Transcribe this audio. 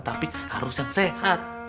tapi harus yang sehat